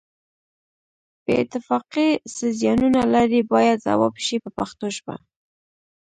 بې اتفاقي څه زیانونه لري باید ځواب شي په پښتو ژبه.